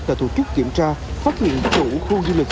và tổ chức kiểm tra phát hiện chủ khu du lịch